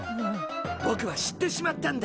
ぼくは知ってしまったんだ。